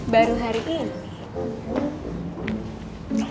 baru hari ini